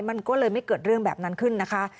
มันก็เลยไม่เกิดเรื่องแบบนั้นขึ้นนะคะ